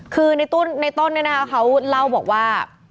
คือในต้นเนี่ยนะคะเขาเล่าบอกว่า